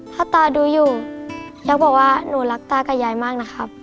ถ้าตาดูอยู่อยากบอกว่าหนูรักตากับยายมากนะครับ